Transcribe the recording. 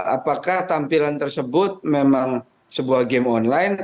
apakah tampilan tersebut memang sebuah game online